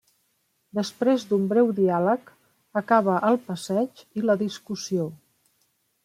Després d’un breu diàleg, acaba el passeig i la discussió.